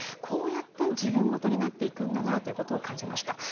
こうやって自分ごとになっていくんだなということを感じました。